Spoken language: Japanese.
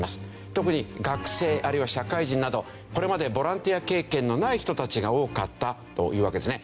特に学生あるいは社会人などこれまでボランティア経験のない人たちが多かったというわけですね。